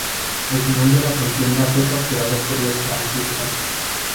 Al final de la contienda fue capturado por los franquistas.